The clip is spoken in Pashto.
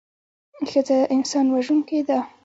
ښځه انسان وژوونکې نده